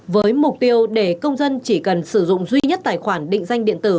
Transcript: với mục tiêu để công dân chỉ cần sử dụng duy nhất tài khoản định danh điện tử